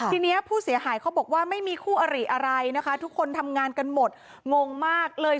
ทีนี้ผู้เสียหายเขาบอกว่าไม่มีคู่อริอะไรนะคะทุกคนทำงานกันหมดงงมากเลย